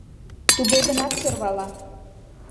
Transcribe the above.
Туге гынат сӧрвала.